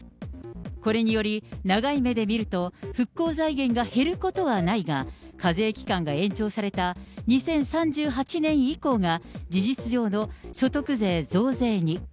これにより、長い目で見ると、復興財源が減ることはないが、課税期間が延長された２０３８年以降が、事実上の所得税増税に。